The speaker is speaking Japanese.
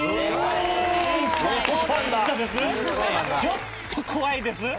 ちょっと怖いです。